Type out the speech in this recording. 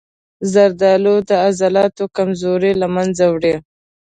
زردآلو د عضلاتو کمزوري له منځه وړي.